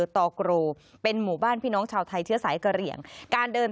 ตกรูเป็นหมู่บ้านพี่น้องชาวไทยเชื้อสายกระเหลี่ยงการเดิน